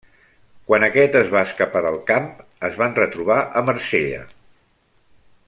Quan aquest es va escapar del camp, es van retrobar a Marsella.